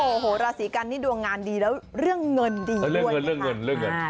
โอ้โหราศรีกันนี่ดวงงานดีแล้วเรื่องเงินดีด้วยเนี่ยค่ะ